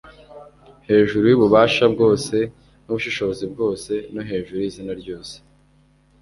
hejuru y'ububasha bwose n'ubushobozi bwose no hejuru y'izina ryose